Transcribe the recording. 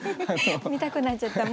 見たくなっちゃった。